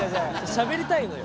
しゃべりたいのよ。